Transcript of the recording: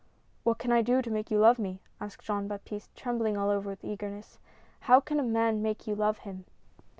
" What can I do to make you love me ?" asked Jean Baptiste, trembling all over with eagerness. " How caii a man make you love him?